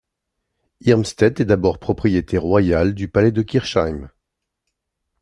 Irmstett est d’abord propriété royale du palais de Kirchheim.